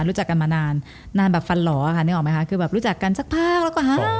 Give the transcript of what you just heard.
รู้จักกันมานานนานแบบฟันหล่อค่ะเนื่องไม่คะคือแบบรู้จักกันแล้วก็มา